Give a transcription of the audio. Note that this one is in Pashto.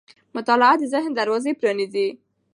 مطالعه د ذهن دروازې پرانیزي.